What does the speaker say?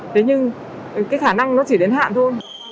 thế nhưng cái khả năng nó chỉ đến hạn thôi